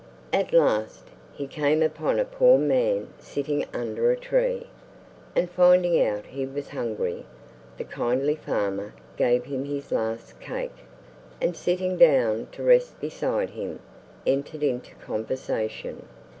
At last, he came upon a poor man sitting under a tree, and finding out he was hungry, the kindly farmer gave him his last cake, and sitting clown to rest beside him, entered into conversation.